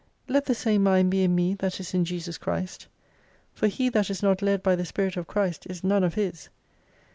Let the same mind be in me that is in Jesus Christ. For he that is not led by the spirit of Christ is none of His.